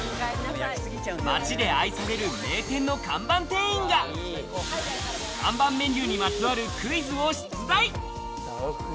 街で愛される名店の看板店員が看板メニューにまつわるクイズを出題。